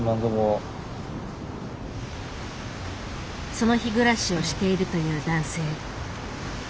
その日暮らしをしているという男性。